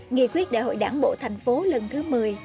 nghị quyết đại hội đảng bộ thành phố lần thứ một mươi